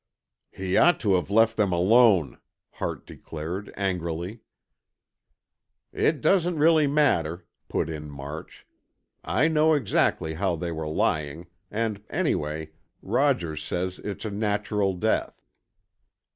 "He ought to have let them alone!" Hart declared, angrily. "It doesn't really matter," put in March, "I know exactly how they were lying, and anyway, Rogers says it's a natural death."